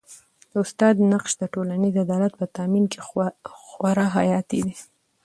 د استاد نقش د ټولنیز عدالت په تامین کي خورا حیاتي دی.